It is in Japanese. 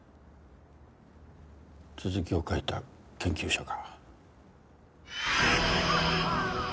続きを書いた研究者か。